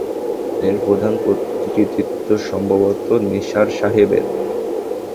এর প্রধান কৃতিত্ব সম্ভবত নিসার সাহেবের।